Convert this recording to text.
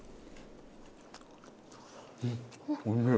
おいしい？